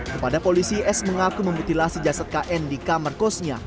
kepada polisi s mengaku memutilasi jasad kn di kamar kosnya